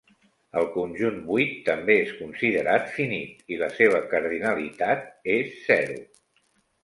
El conjunt buit també és considerat finit, i la seva cardinalitat és zero.